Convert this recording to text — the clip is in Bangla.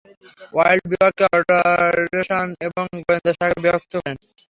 ওয়াইল্ড বিভাগকে অপারেশনস এবং গোয়েন্দা শাখায় বিভক্ত করেন।